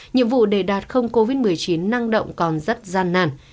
nhiệm vụ để đạt không covid một mươi chín năng động còn rất gian nàn